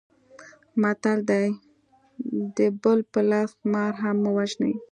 متل دی: د بل په لاس مار هم مه وژنئ.